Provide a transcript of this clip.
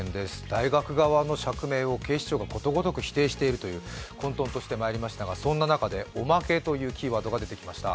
大学側の釈明を警視庁がことごとく否定しているという混とんとしてまいりましたがそんな中で、おまけというキーワードが出てきました。